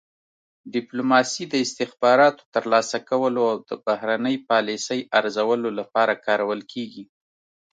ډیپلوماسي د استخباراتو ترلاسه کولو او د بهرنۍ پالیسۍ ارزولو لپاره کارول کیږي